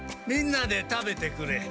みんなで食べてくれ。